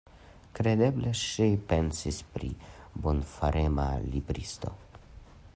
Kredeble ŝi pensis pri la bonfarema libristo.